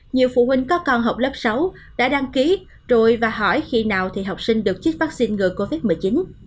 nhiều phụ huynh có con học lớp sáu đã đăng ký rồi và hỏi khi nào thì học sinh được chích vaccine ngừa covid một mươi chín